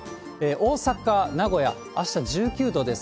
大阪、名古屋、あした１９度です。